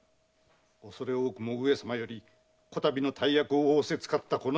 おそれ多くも上様より此度の大役を仰せつかった日に。